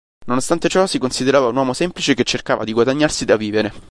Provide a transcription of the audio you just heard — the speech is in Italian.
Nonostante ciò si considerava un uomo semplice che cercava di guadagnarsi da vivere.